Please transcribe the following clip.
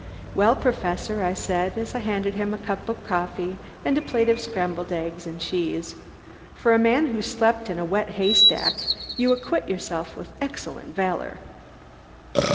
"Well, Professor," I said, as I handed him a cup of coffee and a plate of scrambled eggs and cheese, "for a man who slept in a wet haystack, you acquit yourself with excellent valour."